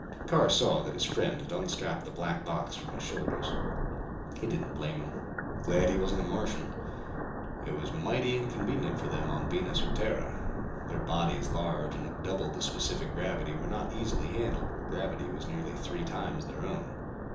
Carr saw that his friend had unstrapped the black box from his shoulders. He didn't blame him. Glad he wasn't a Martian. It was mighty inconvenient for them on Venus or Terra. Their bodies, large and of double the specific gravity, were not easily handled where gravity was nearly three times their own.